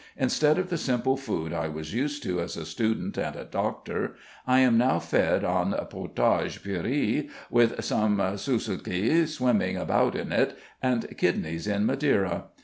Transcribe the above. Instead of the simple food I was used to as a student and a doctor, I am now fed on potage puree, with some sossoulki swimming about in it, and kidneys in Madeira.